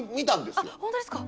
あっ本当ですか！